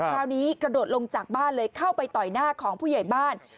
คราวนี้กระโดดลงจากบ้านเลยเข้าไปต่อยหน้าของผู้ใหญ่บ้าน